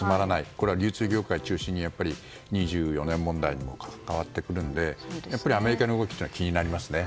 これは流通業界を中心にやっぱり２４年問題にも関わってくるのでアメリカの動きは気になりますね。